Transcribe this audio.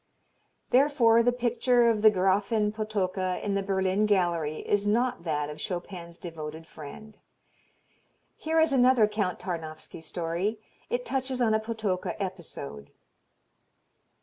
Therefore the picture of the Grafin Potocka in the Berlin gallery is not that of Chopin's devoted friend. Here is another Count Tarnowski story. It touches on a Potocka episode.